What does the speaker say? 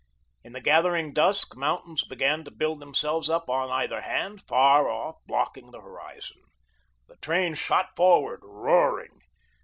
In the gathering dusk, mountains began to build themselves up on either hand, far off, blocking the horizon. The train shot forward, roaring.